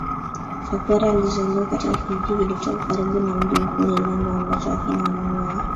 Chakwera alizaliwa katika kijiji kilichoko karibu na mji mkuu Lilongwe ambacho hakina umeme wa